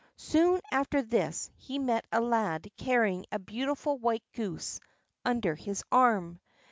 Soon after this, he met a lad carrying a beautiful white goose under his arm.